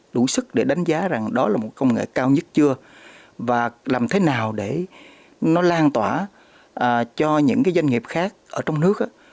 đủ sức để đánh giá rằng đó là một công nghệ cao nhất chưa và làm thế nào để nó lan tỏa cho những doanh nghiệp khác ở trong nước